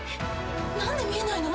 何で見えないの？